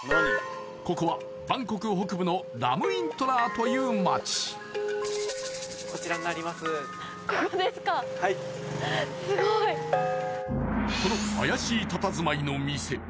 ここはバンコク北部のラムイントラーという街はいこの怪しいたたずまいの店